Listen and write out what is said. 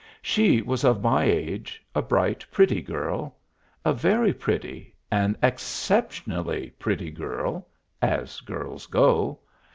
She was of my age, a bright, pretty girl a very pretty, an exceptionally pretty girl, as girls go.